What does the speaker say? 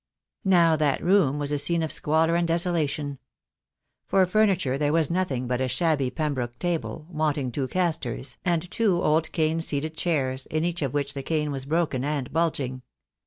Now that room was a scene of squalor and desolation. For furniture there was nothing but a shabby Pembroke table, wanting two castors, and two old cane seated chairs, in each of which the cane was broken and bulging.